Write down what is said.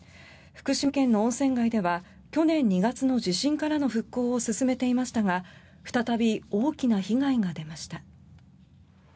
福島県の温泉街では去年２月の地震からの復興を進めていましたが再び大きな被害が出ました。